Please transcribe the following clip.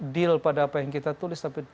deal pada apa yang kita tulis tapi